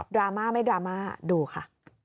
ราม่าไม่ดราม่าดูค่ะ